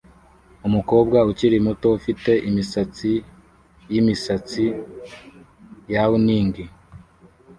Umukobwa ukiri muto ufite imisatsi yimisatsi yawning